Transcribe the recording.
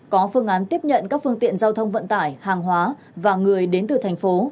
có phương án tiếp nhận các phương tiện giao thông vận tải hàng hóa và người đến từ thành phố